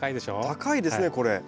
高いですねこれ。